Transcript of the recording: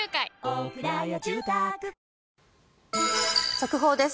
速報です。